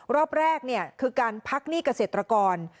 รอบแรกคือการพักหนี้เกษตรกร